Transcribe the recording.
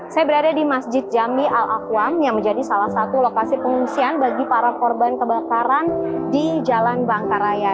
saya berada di masjid jami al aqwam yang menjadi salah satu lokasi pengungsian bagi para korban kebakaran di jalan bangkaraya